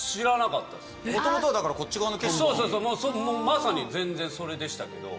まさに全然それでしたけど。